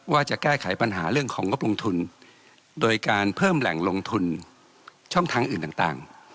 ว่าจะแก้ไขปัญหาเรื่องของงบลงทุนโดยการเพิ่มแหล่งลงทุนช่องทางอื่นต่าง